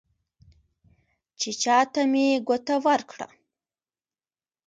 چې چا ته مې ګوته ورکړه،